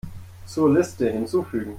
Zur Liste hinzufügen.